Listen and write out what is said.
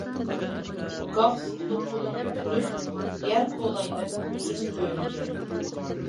گاھ سىقىدۇ قولۇمنى كۈلۈپ، يەر كولايمەن ئۆزۈم گۆرىگە.